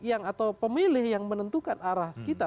atau pemilih yang menentukan arah kita